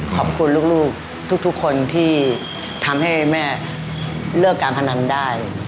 ขอบคุณลูกทุกคนที่ทำให้แม่เลิกการพนันได้